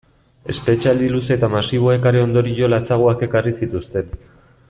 Espetxealdi luze eta masiboek are ondorio latzagoak ekarri zituzten.